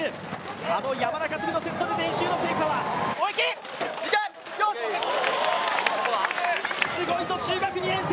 あの山田との練習の成果はすごいぞ、中学２年生。